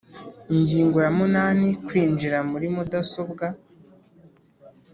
Ingingo ya munani Kwinjira muri mudasobwa